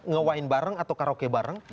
nge wind bareng atau karaoke bareng